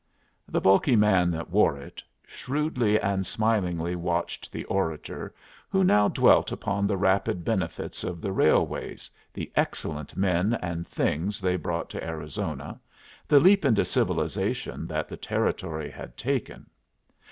The bulky man that wore it shrewdly and smilingly watched the orator, who now dwelt upon the rapid benefits of the railways, the excellent men and things they brought to Arizona, the leap into civilization that the Territory had taken.